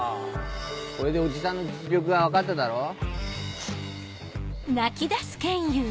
これでおじさんの実力が分かっただろう？